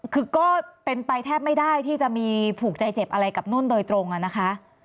คือก็เป็นไปแทบไม่ได้ที่จะมีผูกใจเจ็บอะไรกับนุ่นโดยตรงนะคะ